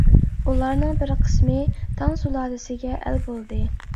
ئۇلارنىڭ بىر قىسمى تاڭ سۇلالىسىگە ئەل بولدى.